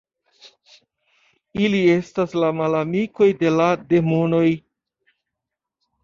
Ili estas la malamikoj de la demonoj.